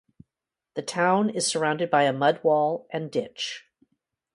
The town is surrounded by a mud wall and ditch.